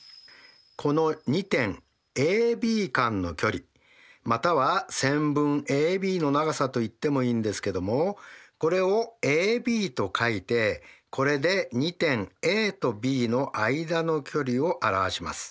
この２点ＡＢ間の距離または線分ＡＢの長さと言ってもいいんですけどもこれをＡＢと書いてこれで２点ＡとＢの間の距離を表します。